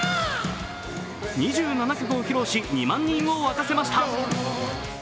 ２７曲を披露し、２万人を沸かせました。